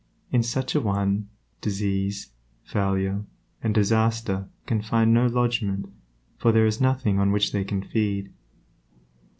In such a one, disease, failure, and disaster can find no lodgment, for there is nothing on which they can feed.